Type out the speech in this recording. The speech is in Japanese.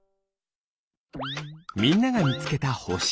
みんながみつけたほし。